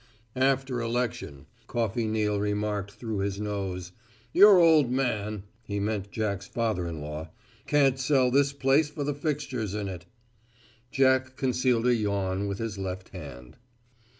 "After election," Coffey Neal remarked through his nose, "your old man (he meant Jack's father in law) can't sell this place for the fixtures in it." Jack concealed a yawn with his left hand.